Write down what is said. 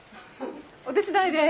お手伝いです。